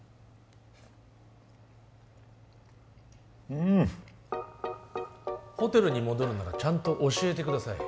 うーんっホテルに戻るならちゃんと教えてください